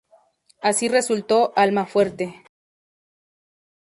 Así resultó "Almafuerte".